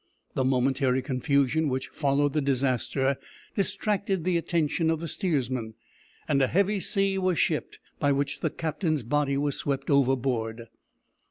The momentary confusion which followed the disaster distracted the attention of the steersman, and a heavy sea was shipped, by which the captain's body was swept overboard.